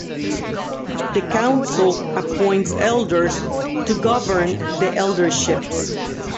The council appoints elders to govern the elderships.